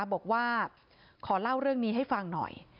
บอกว่าขอเล่าเรื่องนี้ให้ฟังหน่อย